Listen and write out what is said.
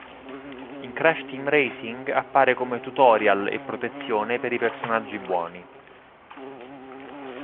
In Crash Team Racing appare come tutorial e protezione per i personaggi buoni.